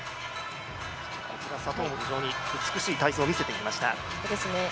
左トウも非常に美しい体操を見せてきました。